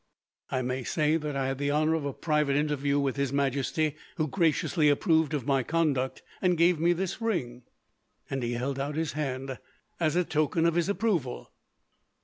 I may say that I had the honour of a private interview with His Majesty, who graciously approved of my conduct, and gave me this ring," and he held out his hand, "as a token of his approval."